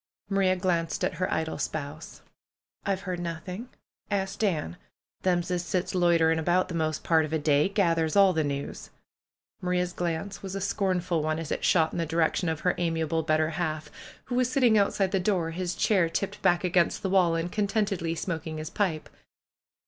Marie glanced at her idle spouse. ^M've heard nothing. Ask Dan. Them's as sits loiter ing about the most part of a day gathers all the news." Maria's glance was a scornful one, as it shot in the di rection of her amiable better half, who was sitting out side the door, his chair tipped back against the wall, and contentedly smoking his pipe.